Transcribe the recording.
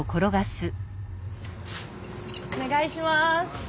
お願いします。